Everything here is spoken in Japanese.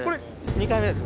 ２回目です